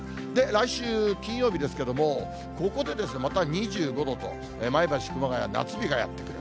来週金曜日ですけれども、ここでまた２５度と、前橋、熊谷、夏日がやって来る。